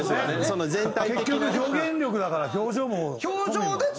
結局表現力だから表情も込みの。